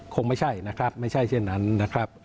คงไม่ใช่นะครับไม่ใช่เช่นนั้นนะครับ